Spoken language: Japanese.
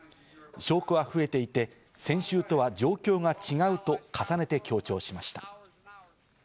証拠は増えていて、先週とは状況が違うと重ねて強調しました。